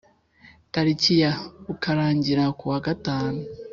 Tariki ya ukarangira ku wa gatanu